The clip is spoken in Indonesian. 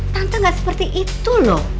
tante gak seperti itu loh